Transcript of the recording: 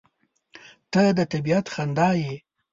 • ته د طبیعت خندا یې.